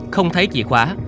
không thấy chìa khóa